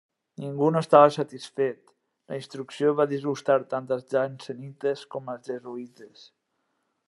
Ningú no estava satisfet: la instrucció va disgustar tant als jansenistes com als jesuïtes.